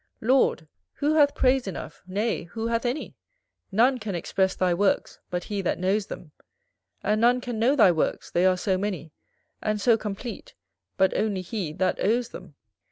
Lord! who hath praise enough, nay, who hath any? None can express thy works, but he that knows them; And none can know thy works, they are so many, And so complete, but only he that owes them.